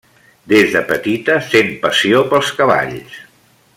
Des de petita sent passió pels cavalls.